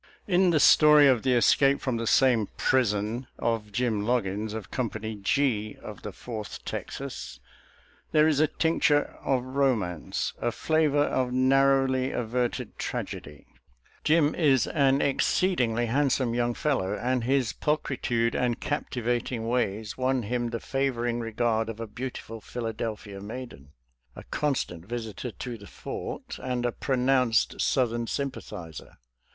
In the. story of the escape from the same prison of Jim Logging of Company G of the Fourth Texas there is a tincture of romance, a flavor of narrowly averted . tragedy. Jim ' is an exceed ingly handsome young fellow, and his pulchri tude and captivating ways won him the favoring regard of a beautiful Philadelphia maiden, a constant . visitor to. the fort, and a pronounced Southern sympathizer.